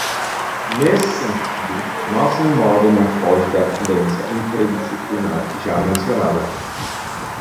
Nesse sentido, nossa memória não foge da tendência interdisciplinar já mencionada.